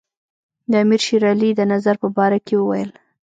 د امیر شېر علي د نظر په باره کې وویل.